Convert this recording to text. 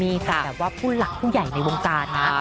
มีแต่ว่าผู้หลักผู้ใหญ่ในวงการนะ